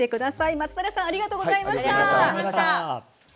松平さんありがとうございました。